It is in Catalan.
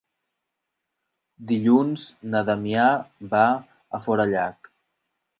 Dilluns na Damià va a Forallac.